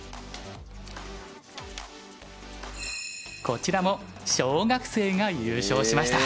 こちらも小学生が優勝しました。